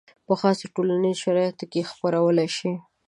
په خاصو ټولنیزو شرایطو کې یې خپرولی شي.